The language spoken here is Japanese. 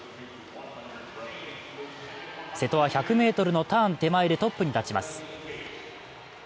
瀬戸は１００ｍのターン手前でトップに立ちます。